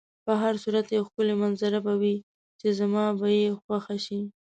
په هر صورت یوه ښکلې منظره به وي چې زما به یې خوښه شي.